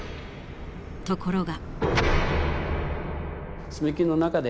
ところが。